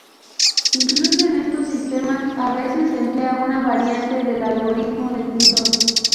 Incluso en estos sistemas, a veces se emplea una variante del algoritmo del pintor.